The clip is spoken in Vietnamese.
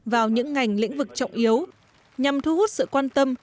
vào những ngành lĩnh vực trọng yếu nhằm thu hút sự quan tâm